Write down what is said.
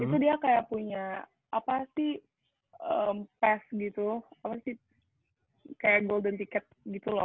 itu dia kayak punya apa sih pas gitu apa sih kayak golden ticket gitu loh